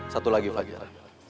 satu lagi fajar